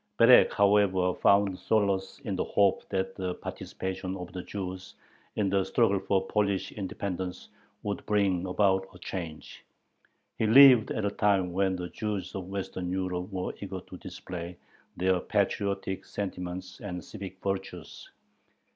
Berek, however, found solace in the hope that the participation of the Jews in the struggle for Polish independence would bring about a change. He lived at a time when the Jews of Western Europe were eager to display their patriotic sentiments and civic virtues.